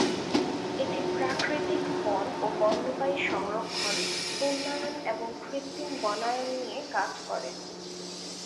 এটি প্রাকৃতিক বন ও বন্যপ্রাণী সংরক্ষণ, উন্নয়ন এবং কৃত্রিম বনায়ন নিয়ে কাজ করে।